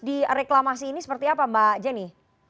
di reklamasi ini seperti apa mbak jenny